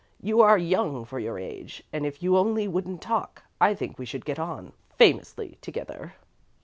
You are young for your age, and if you only wouldn't talk, I think we should get on famously together."